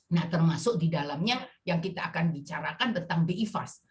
nah termasuk di dalamnya yang kita akan bicarakan tentang bi fast